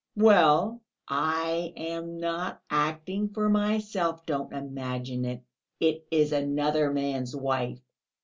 Well?" "I am not acting for myself; don't imagine it; it is another man's wife!